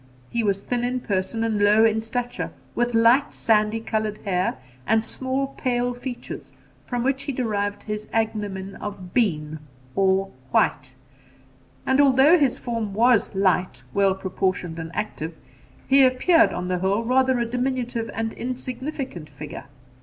He was thin in person and low in stature, with light sandy coloured hair, and small pale features, from which he derived his agnomen of BEAN or white; and although his form was light, well proportioned and active, he appeared, on the whole, rather a diminutive and insignificant figure.